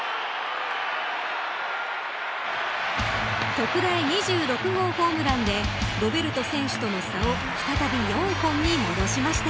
特大２６号ホームランでロベルト選手との差を再び４本に戻しました。